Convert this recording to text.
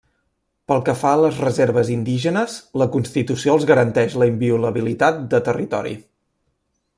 Pel que fa a les reserves indígenes, la constitució els garanteix la inviolabilitat de territori.